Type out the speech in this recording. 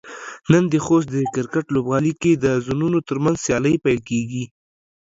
نن د خوست د کرکټ لوبغالي کې د زونونو ترمنځ سيالۍ پيل کيږي.